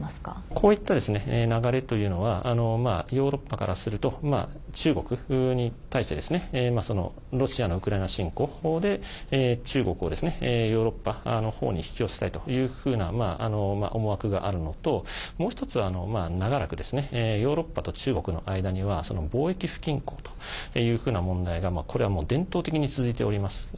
こういった流れというのはヨーロッパからすると中国に対してロシアのウクライナ侵攻で中国を、ヨーロッパの方に引き寄せたいというふうな思惑があるのともう一つは、長らくヨーロッパと中国の間には貿易不均衡というふうな問題がこれはもう伝統的に続いております。